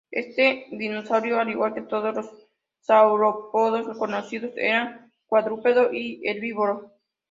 Este dinosaurio, al igual que todos los saurópodos conocidos, era cuadrúpedo y herbívoro.